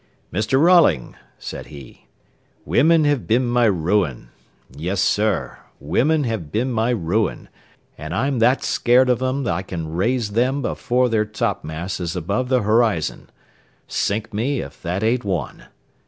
"Mr. Rolling," said he, "wimmen have been my ruin. Yes, sir, wimmen have been my ruin, an' I'm that scared o' them I can raise them afore their topmast is above the horizon. Sink me, if that ain't one."